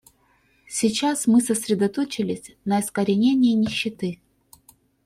Сейчас мы сосредоточились на искоренении нищеты.